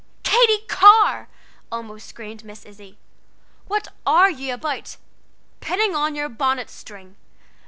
"Katy Carr!" almost screamed Miss Izzie, "what are you about? Pinning on your bonnet string!